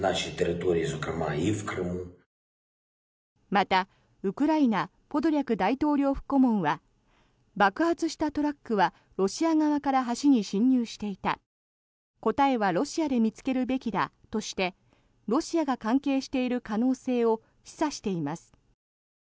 また、ウクライナポドリャク大統領府顧問は爆発したトラックはロシア側から橋に侵入していた答えはロシアで見つけるべきだとしてロシアが関係している可能性を示唆しています。